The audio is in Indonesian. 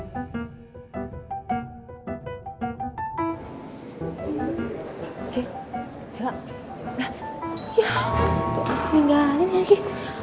dan juga orang lain